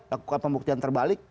lakukan pembuktian terbalik